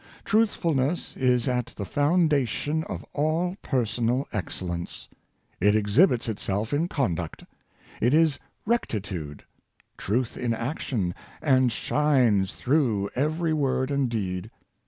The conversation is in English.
Truthfulness is at the foundation of all per sonal excellence. It exhibits itself in conduct. It is rectitude — truth in action, and shines through every word and deed.